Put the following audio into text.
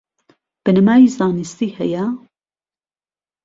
بنەمای زانستی هەیە؟